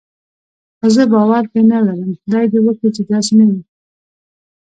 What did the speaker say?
خو زه باور پرې نه لرم، خدای دې وکړي چې داسې نه وي.